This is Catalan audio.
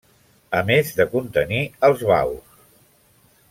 A més de contenir els baus.